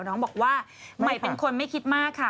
น้องบอกว่าใหม่เป็นคนไม่คิดมากค่ะ